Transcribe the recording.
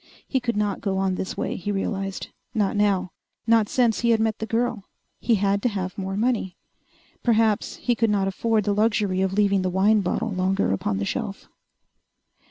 He could not go on this way, he realized. Not now. Not since he had met the girl. He had to have more money. Perhaps he could not afford the luxury of leaving the wine bottle longer upon the shelf....